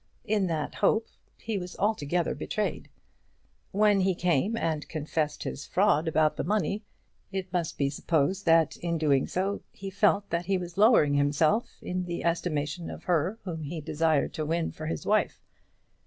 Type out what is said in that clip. In that hope he was altogether betrayed. When he came and confessed his fraud about the money, it must be supposed that in doing so he felt that he was lowering himself in the estimation of her whom he desired to win for his wife.